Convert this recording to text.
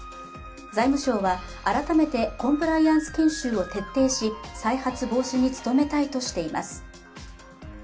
財務省は改めてコンプライアンス研修を徹底し再発防止に努めたいとしています。